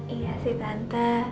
iya sih tante